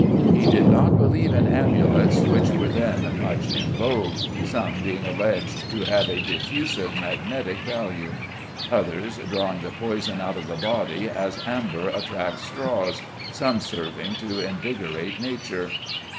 He did not believe in amulets, which were then much in vogue; some being alleged to have a diffusive magnetic value; others drawing the poison out of the body "as amber attracts straws," some serving to invigorate nature.